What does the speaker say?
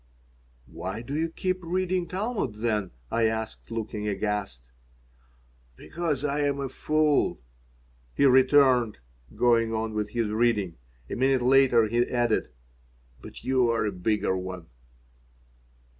"Why do you keep reading Talmud, then?" I asked, looking aghast "Because I am a fool," he returned, going on with his reading. A minute later he added, "But you are a bigger one."